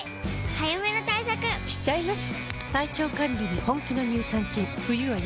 早めの対策しちゃいます。